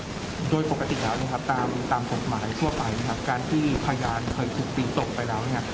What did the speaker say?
โดยปกติแล้วนะครับตามตามกฎหมายทั่วไปนะครับการที่พยานเคยถูกตีตกไปแล้วเนี่ย